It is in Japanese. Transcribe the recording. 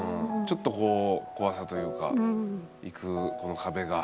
ちょっとこう怖さというか行くこの壁が。